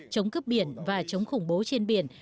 chống cướp biển và chống khủng bố trên biển